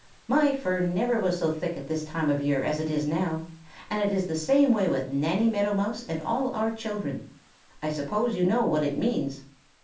"My fur never was so thick at this time of year as it is now, and it is the same way with Nanny Meadow Mouse and all our children. I suppose you know what it means."